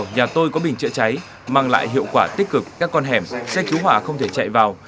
nhà tôi có bình chữa cháy mang lại hiệu quả tích cực các con hẻm xe cứu hỏa không thể chạy vào